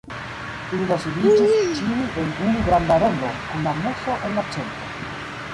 Ili do sidiĝis, ĉiuj en unu granda rondo, kun la Muso en la centro.